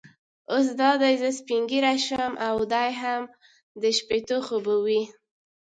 اوس دا دی زه سپینږیری شوم او دی هم د شپېتو خو به وي.